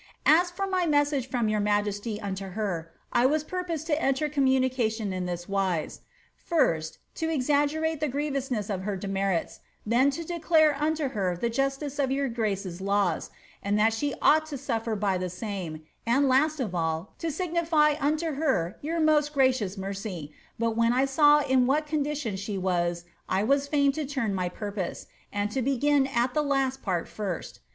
As for my message from your majesty unto her, I M*as purposed to enter coai miiniration in tliis wise : First, to exaggerate the griovousness of her demerits, then to declare unto her the justice <if ynur grneo's laws, and what she ou^ht to suffer by the same, and last t»f all, to sijj'nify unio her your most gracious nicri'v; but when I saw in what condition she wns, I was fain to turn my pur]}0»e. and to begin at the last part first.